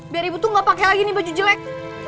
biar ibu tuh nggak pakai lagi nih baju jelek